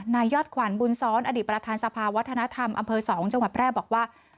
นายยอดขวัญบุญซ้อนอดีตประธานสภาวัฒนธรรมอำเภอ๒จังหวัดแพร่บอกว่า